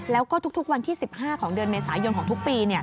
แล้วก็ทุกวันที่๑๕ของเดือนเมษายนของทุกปี